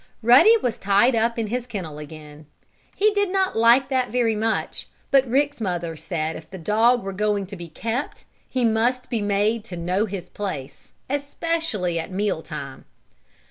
Ruddy was tied up in his kennel again. He did not like that very much, but Rick's mother said if the dog were going to be kept he must be made to know his place, especially at mealtime.